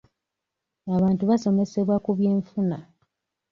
Abantu basomesebwa ku by'enfuna.